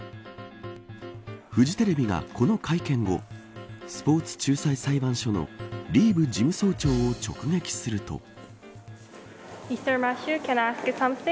フジテレビが、この会見後スポーツ仲裁裁判所のリーブ事務総長を直撃すると。